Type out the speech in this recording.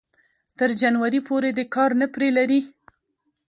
تر جنوري پورې دې کار نه پرې لري